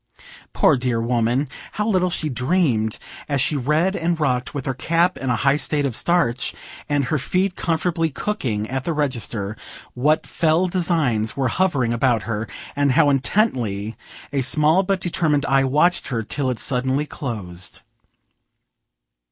Poor dear woman! how little she dreamed, as she read and rocked, with her cap in a high state of starch, and her feet comfortably cooking at the register, what fell designs were hovering about her, and how intently a small but determined eye watched her, till it suddenly closed.